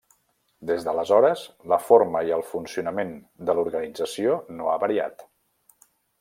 Des d'aleshores, la forma i el funcionament de l'organització no ha variat.